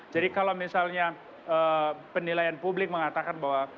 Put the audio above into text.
jadi kalau misalnya penilaian publik mengatakan bahwa